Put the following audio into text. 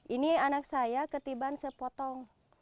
ini anak saya ketiban sepotong